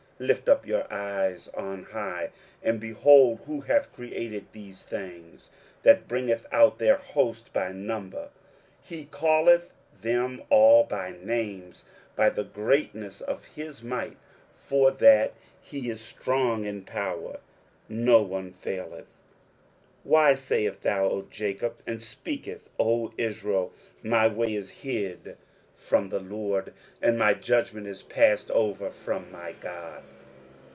23:040:026 Lift up your eyes on high, and behold who hath created these things, that bringeth out their host by number: he calleth them all by names by the greatness of his might, for that he is strong in power; not one faileth. 23:040:027 Why sayest thou, O Jacob, and speakest, O Israel, My way is hid from the LORD, and my judgment is passed over from my God?